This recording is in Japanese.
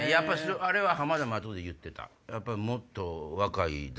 あれは浜田も後で言ってた。